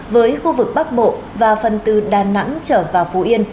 với khu vực bắc bộ và phần từ đà nẵng trở vào phú yên